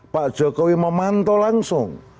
pak jokowi memantau langsung